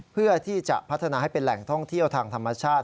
เพื่อที่จะพัฒนาให้เป็นแหล่งท่องเที่ยวทางธรรมชาติ